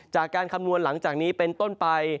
คำนวณหลังจากนี้เป็นต้นไป